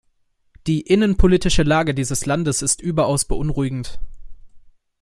Die innenpolitische Lage dieses Landes ist überaus beunruhigend.